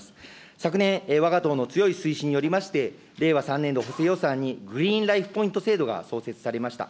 昨年、わが党の強い推進によりまして、令和３年度補正予算にグリーンライフ・ポイント制度が創設されました。